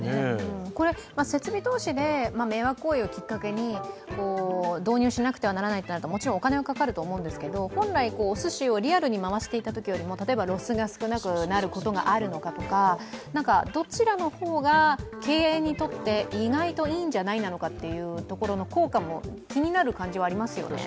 これ、設備投資で、迷惑行為をきっかけに導入しなくてはならないとなると、もちろんお金はかかると思いますけど本来、おすしをリアルに回していたときよりも、例えばロスが少なくなることがあるとか、どちらの方が経営にとって意外といいんじゃない？というところの効果も気になる感じはありますよね。